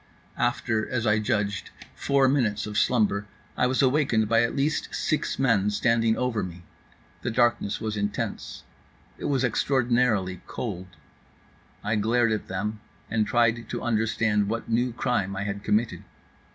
After (as I judged) four minutes of slumber, I was awakened by at least six men standing over me. The darkness was intense, it was extraordinarily cold. I glared at them and tried to understand what new crime I had committed.